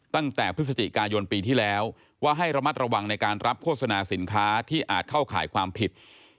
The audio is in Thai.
ตั้งแต่พฤศจิกายนปีที่แล้วว่าให้ระมัดระวังในการรับโฆษณาสินค้าที่อาจเข้าข่ายความผิด